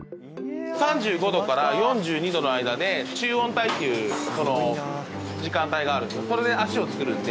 ３５度から４２度の間で中温帯っていう時間帯があるんですけどそれでアシを作るので。